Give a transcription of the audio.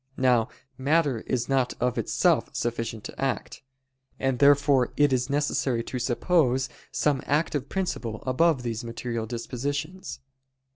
Now matter is not of itself sufficient to act. And therefore it is necessary to suppose some active principle above these material dispositions.